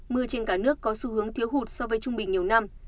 mưa trên cả nước có xu hướng thiếu hụt so với trung bình nhiều năm